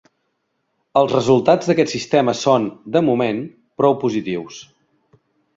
Els resultats d’aquest sistema són, de moment, prou positius.